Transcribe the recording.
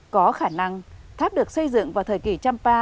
có khả năng tháp được xây dựng vào thời kỷ trầm pa